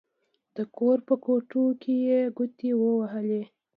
د کور په کوټو يې ګوتې ووهلې.